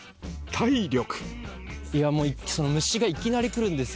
体力。